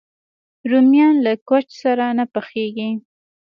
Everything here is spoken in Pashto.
رومیان له کوچ سره نه پخېږي